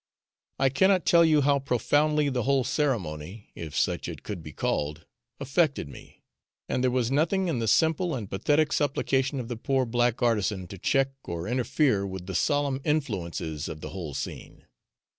I cannot tell you how profoundly the whole ceremony, if such it could be called, affected me, and there was nothing in the simple and pathetic supplication of the poor black artisan to check or interfere with the solemn influences of the whole scene.